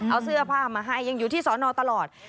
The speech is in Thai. เอาเสื้อผ้ามาให้ยังอยู่ที่สอนอตลอด